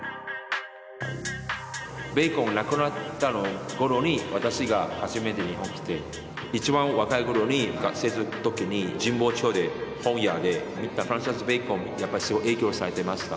ベーコン亡くなった頃に私が初めて日本来て一番若い頃に学生の時に神保町で本屋でフランシス・ベーコン見てやっぱりすごい影響されてました。